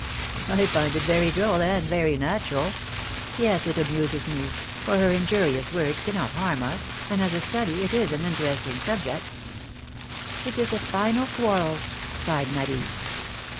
I find it very droll and very natural ; yes, it amuses me, for her injurious words cannot harm us, and as a study it is an interesting subject.'^ It is a final quarrel sighed Marie.